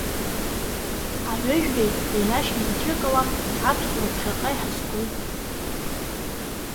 Аҩыжәреи, Рерашьеи заҵәыкала, ҳаԥсуара ԥхьаҟа иҳазгом!